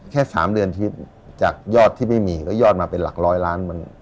แค่๓เดือนชีวิตจากยอดที่ไม่มีก็ยอดมาเป็นหลักร้อยล้าน